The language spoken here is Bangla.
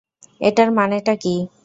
এটার মানেটা কী?